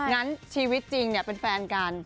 งั้นชีวิตจริงเป็นแฟนกัน